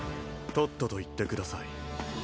とっとと行ってください